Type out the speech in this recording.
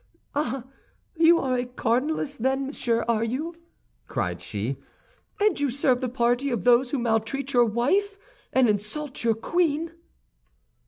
"Ah, you are a cardinalist, then, monsieur, are you?" cried she; "and you serve the party of those who maltreat your wife and insult your queen?"